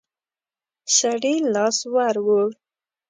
سړي لاس ور ووړ.